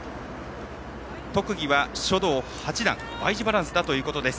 特技は書道８段Ｙ字バランスだということです。